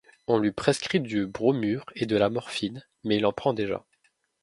On lui prescrit du bromure et de la morphine, mais il en prend déjà.